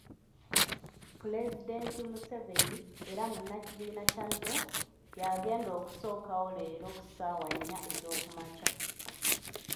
Pulezidenti Museveni era munnakibiina kya Nuupu, y'agenda okusookawo leero ku ssaawa nnya ez'okumakya.